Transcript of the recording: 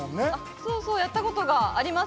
そうそう、やったことがあります。